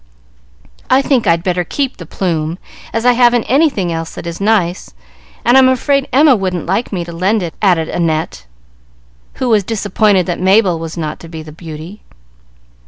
"I think I'd better keep the plume, as I haven't anything else that is nice, and I'm afraid Emma wouldn't like me to lend it," added Annette, who was disappointed that Mabel was not to be the Beauty.